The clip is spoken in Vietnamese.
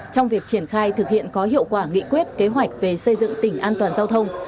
trong việc triển khai thực hiện có hiệu quả nghị quyết kế hoạch về xây dựng tỉnh an toàn giao thông